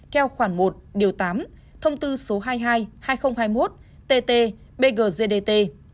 kheo khoản một điều tám thông tư số hai mươi hai hai nghìn hai mươi một tt bgzdt